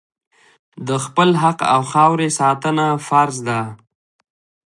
د خپل حق او خاورې ساتنه فرض ده.